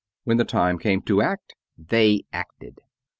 When the time came to act, they acted.